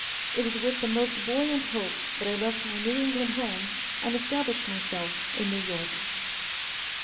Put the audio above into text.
It was with the most buoyant hope that I left my New England home and established myself in New York.